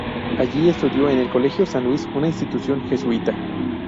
Allí, estudió en el Colegio San Luis, una institución jesuita.